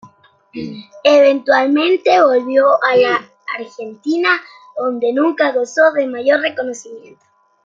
Eventualmente volvió a la Argentina, donde nunca gozó de mayor reconocimiento.